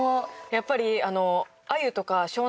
やっぱり。